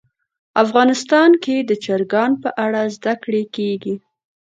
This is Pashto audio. افغانستان کې د چرګان په اړه زده کړه کېږي.